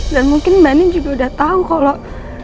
dan mungkin bandung juga udah tau kalau